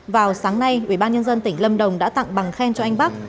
vào sáng nay ubnd tỉnh lâm đồng đã tặng bằng khen cho anh bắc